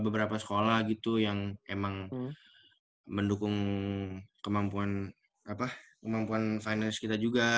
beberapa sekolah gitu yang emang mendukung kemampuan finance kita juga